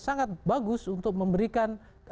sangat bagus untuk memberikan